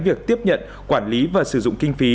việc tiếp nhận quản lý và sử dụng kinh phí